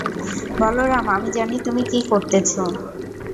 বলরাম, আমি জানি তুমি কী করতেছ।